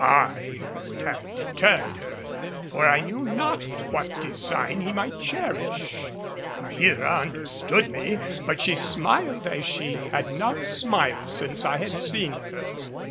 I would have deterred her, for I knew not what design he might cherish. Maheera understood me, but she smiled as she had not smiled since I had seen her.